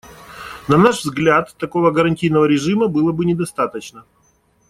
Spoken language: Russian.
На наш взгляд, такого гарантийного режима было бы недостаточно.